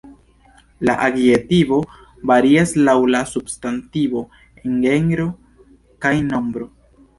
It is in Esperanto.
La adjektivo varias laŭ la substantivo en genro kaj nombro.